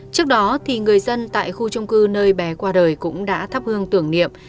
trước đó thì người dân tại khu chung cư nơi bé qua đời cũng đã thắp hương tưởng niệm